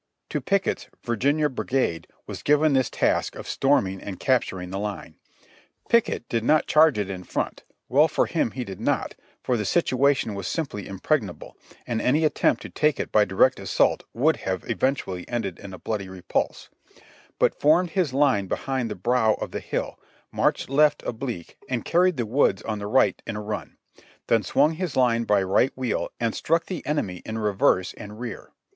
To Pickett's Virginia Brigade was given this task of storming and capturing the line. Pickett did not charge it in front — well for him he did not, for the situation was simply im pregnable, and any attempt to take it by direct assault would have eventually ended in a bloody repulse — but formed his line be hind the brow of the hill, marched left oblique and carried the woods on the right in a run ; then swung his line by right wheel, and struck the enemy in reverse and rear.